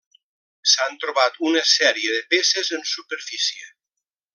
S'han trobat una sèrie de peces en superfície.